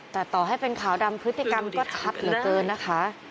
แต่ต่อให้เป็นขาวดำพฤติกรรมก็ชัดเหลือเกินนะคะ